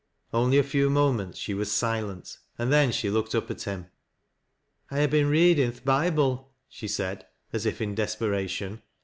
Only a few moments she was silent, and then she looked up at him. " I ha' been readin' th' Bible," she said, as if in des peration.